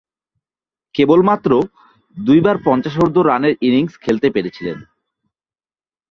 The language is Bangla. কেবলমাত্র দুইবার পঞ্চাশোর্ধ্ব রানের ইনিংস খেলতে পেরেছিলেন।